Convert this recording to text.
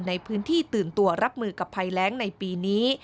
ในพื้นที่ตื่นตัวรับมือกับภัยแรงในปีนี้